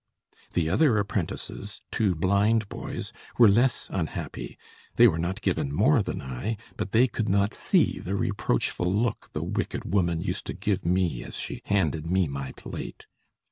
The other apprentices, two blind boys, were less unhappy; they were not given more than I, but they could not see the reproachful look the wicked woman used to give me as she handed me my plate.